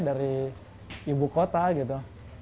dari ibu kota gitu